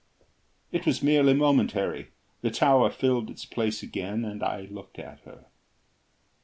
It was merely momentary. The tower filled its place again and I looked at her.